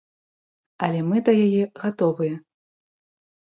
Але мы да яе гатовыя.